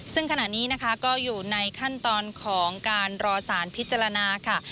ซึ่งขณะนี้นะคะก็อยู่ในขั้นตอนของการรอสารพิจารณาค่ะ